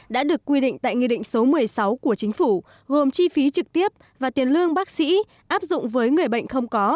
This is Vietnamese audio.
đã được quy định tại nghị định số một mươi sáu của chính phủ gồm chi phí trực tiếp và tiền lương bác sĩ áp dụng với người bệnh không có